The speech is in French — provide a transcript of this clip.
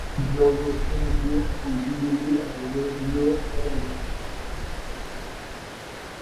Plusieurs loges canadiennes sont jumelées à des loges nord-irlandaises.